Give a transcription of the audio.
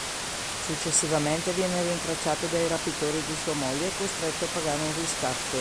Successivamente viene rintracciato dai rapitori di sua moglie e costretto a pagare un riscatto.